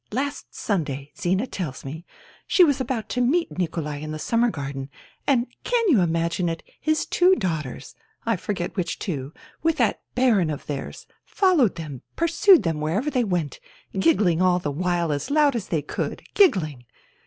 Last Sunday, Zina tells me, she was about to meet Nikolai in the Summer Garden, and — can you imagine it ?— his two daughters — I forget which two — with that Baron of theirs, followed them, pursued them wherever they went, giggling all the while as loud as they could, giggling.